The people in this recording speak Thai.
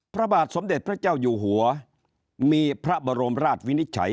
พระบาทสมเด็จพระเจ้าอยู่หัวมีพระบรมราชวินิจฉัย